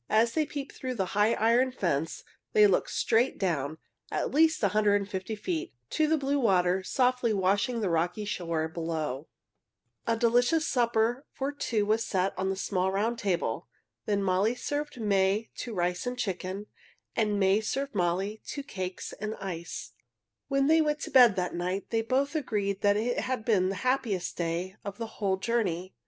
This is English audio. As they peeped through the high iron fence they looked straight down, at least a hundred and fifty feet, to the blue water softly washing the rocky shore below. [Illustration: They could look out over the lovely Bay of Naples] A delicious supper for two was set on a small, round table. Then Molly served May to chicken and rice, and May served Molly to cakes and ice. When they went to bed that night they both agreed that it had been the happiest day of the whole journey.